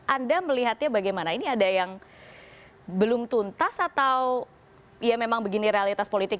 anda melihatnya bagaimana ini ada yang belum tuntas atau ya memang begini realitas politik